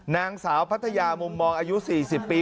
นางสาวพัทยามุมมองอายุ๔๐ปี